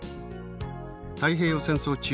太平洋戦争中